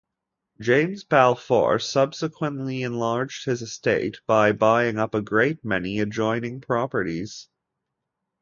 James Balfour subsequently enlarged his estate by buying up a great many adjoining properties.